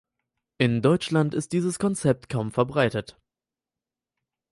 In Deutschland ist dieses Konzept kaum verbreitet.